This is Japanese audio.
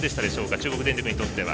中国電力としては。